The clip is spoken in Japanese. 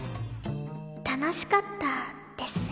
楽しかったですね。